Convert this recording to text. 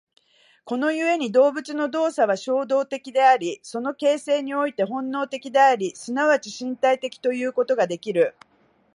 この故に動物の動作は衝動的であり、その形成において本能的であり、即ち身体的ということができる。